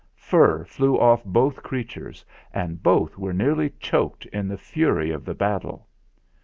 Fur flew off both creatures, and both were nearly choked in the fury of the battle.